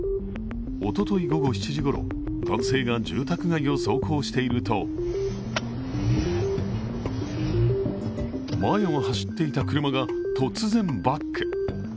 おととい午後７時ごろ、男性が住宅街を走行していると前を走っていた車が突然バック。